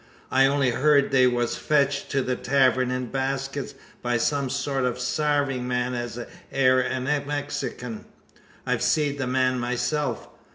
I on'y hyurd they wur fetched to the tavern in baskets, by some sort o' a sarving man as air a Mexikin. I've seed the man myself.